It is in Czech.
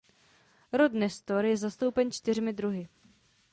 Rod Nestor je zastoupen čtyřmi druhy.